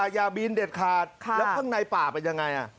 อย่าบินเด็ดขาดแล้วข้างในป่าเป็นยังไง